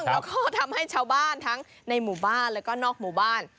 แล้วก็ทำให้ชาวบ้านทั้งในหมู่บ้านแล้วก็นอกหมู่บ้าน